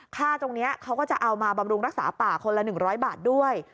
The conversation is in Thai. ค่าตรงนี้เขาก็จะเอามาบำรุงรักษาป่าคนละ๑๐๐บาทด้วย